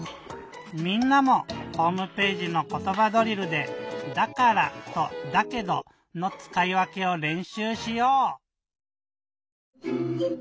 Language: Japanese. みんなもホームページの「ことばドリル」で「だから」と「だけど」のつかいわけをれんしゅうしよう。